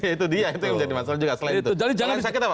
ya itu dia itu yang menjadi masalah juga selain itu